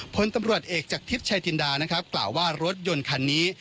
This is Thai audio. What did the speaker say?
ผนตำรวจเอกจากทิศชายทินดากล่าวว่ารถยนต์คันนี้